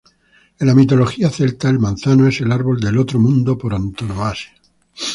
En la mitología celta, el manzano es el árbol del Otro Mundo por antonomasia.